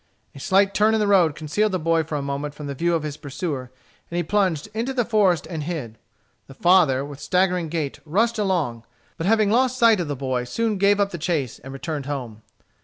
A slight turn in the road concealed the boy for a moment from the view of his pursuer, and he plunged into the forest and hid. The father, with staggering gait, rushed along, but having lost sight of the boy, soon gave up the chase, and returned home.